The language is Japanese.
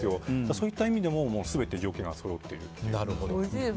そういった意味でも全て条件がそろっている。